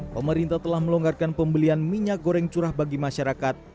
pemerintah telah melonggarkan pembelian minyak goreng curah bagi masyarakat